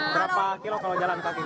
berapa kilo kalau jalan kaki